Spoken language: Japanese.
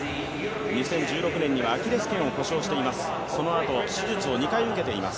２０１６年にはアキレス腱を故障しています。